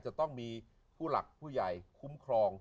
จะต้องมีผู้หลักผู้ใหญ่คุ้มครอง